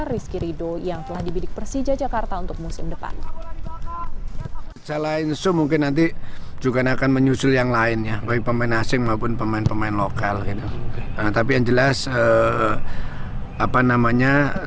rizky rido yang telah dibidik persija jakarta untuk musim depan